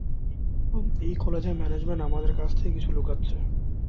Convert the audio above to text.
এই কলেজের ম্যানেজমেন্ট আমাদের কাছে থেকে কিছু লুকাচ্ছে।